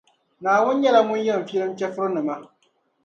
Naawuni nyɛla Ŋun yɛn filim chεfurinima.